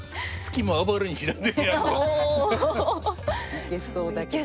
いけそうだけどな。